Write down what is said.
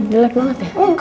delet banget ya